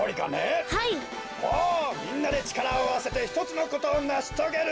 ほうみんなでちからをあわせてひとつのことをなしとげる。